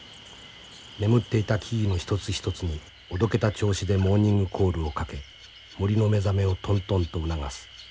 眠っていた木々の一つ一つにおどけた調子でモーニングコールをかけ森の目覚めをトントンと促す。